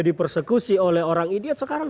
dipersekusi oleh orang ini sekarang